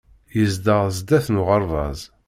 Yezdeɣ sdat n uɣerbaz